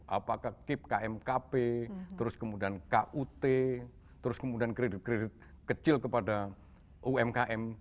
apakah kip kmkp terus kemudian kut terus kemudian kredit kredit kecil kepada umkm